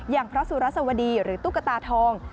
อย่างพระสุรสวดีหรือตุ๊กตาทอง